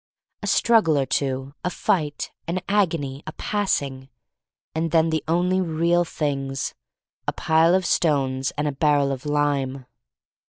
A struggle or two, a fight, an agony, a passing — and then the only Real Things: a Pile of Stones and a Barrel of Lime.